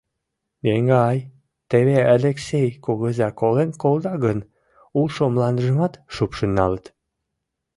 — Еҥгай, теве Элексей кугыза колен колта гын, улшо мландыжымат шупшын налыт.